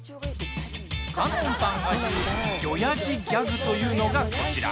香音さんが言うギョやじギャグというのがこちら。